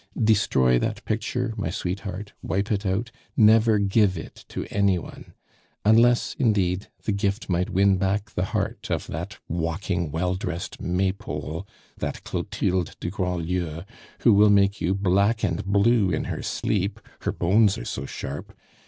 Destroy that picture, my sweetheart, wipe it out, never give it to any one unless, indeed, the gift might win back the heart of that walking, well dressed maypole, that Clotilde de Grandlieu, who will make you black and blue in her sleep, her bones are so sharp.